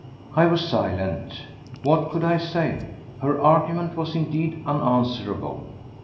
I was silent. What could I say? Her argument was indeed unanswerable.